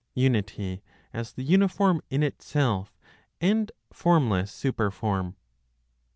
UNITY AS THE UNIFORM IN ITSELF AND FORMLESS SUPERFORM.